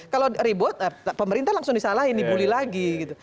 kalau ribut pemerintah langsung disalahin dibully lagi gitu